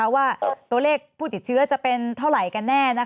ว่าตัวเลขผู้ติดเชื้อจะเป็นเท่าไหร่กันแน่